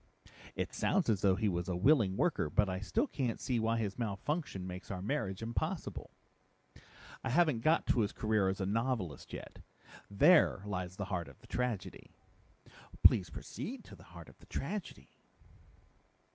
'" "It sounds as though he was a willing worker, but I still can't see why his malfunction makes our marriage impossible." "I haven't gotten to his career as a novelist yet. There lies the heart of the tragedy." "Please proceed to the heart of the tragedy."